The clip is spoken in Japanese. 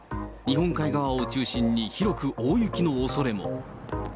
日本海側を中心に、広く大雪のおそれも。